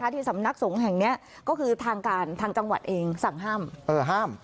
ที่สำนักสงฆ์แห่งนี้ก็คือทางการทางจังหวัดเองสั่งห้ามห้าม